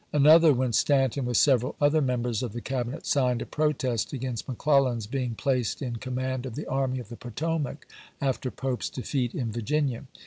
Another when Stanton CHAP.vni. with several other members of the Cabinet signed a protest against McClellan's being placed in command of the Army of the Potomac after Pope's defeat in Virginia.